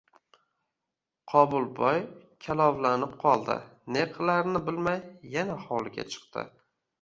Qobilboy kalovlanib qoldi, ne qilarini bilmay yana hovliga chiqdi